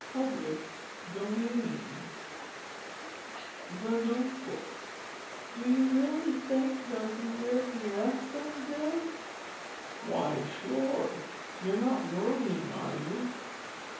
Chapter XII THE NOTEBOOK "Do you really think they'll be where we left them, Bill?" "Why sure! You're not worrying, are you?"